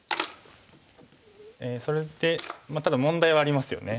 それでただ問題はありますよね。